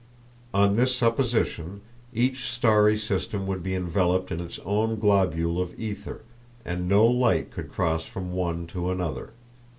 On this supposition each starry system would be enveloped in its own globule of ether, and no light could cross from one to another.